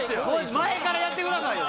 前からやってくださいよ！